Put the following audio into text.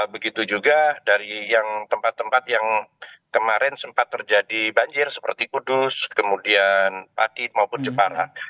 begitu juga dari yang tempat tempat yang kemarin sempat terjadi banjir seperti kudus kemudian padit maupun jepara